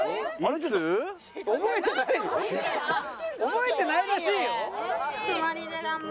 覚えてないらしいよ。